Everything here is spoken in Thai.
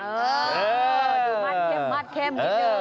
มัดเข้ม